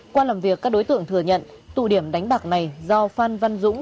qua làm việc các đối tượng thừa nhận tụ điểm đánh bạc này do phan văn dũng